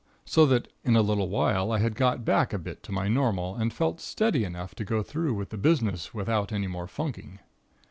So that, in a little while, I had got back a bit to my normal, and felt steady enough to go through with the business without any more funking.